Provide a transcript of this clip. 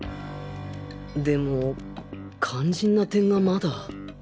でも肝心な点がまだ